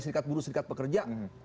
serikat buruh serikat pekerja